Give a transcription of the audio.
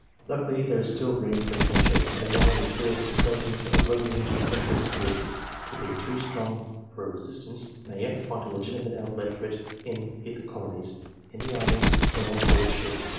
Luckily there is still room for adventure, and a man who feels the cravings of a roving, adventurous spirit to be too strong for resistance, may yet find a legitimate outlet for it in the colonies, in the army, or on board ship.